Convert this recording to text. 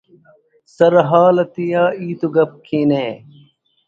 سرحال آتیا ہیت و گپ کینہ